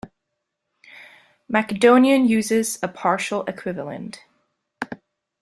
Macedonian uses as a partial equivalent.